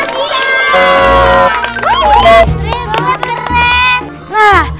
butinya kalau buta keren